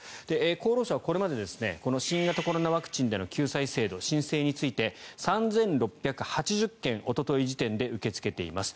厚労省はこれまでこの新型コロナワクチンでの救済制度申請について３６８０件おととい時点で受け付けています。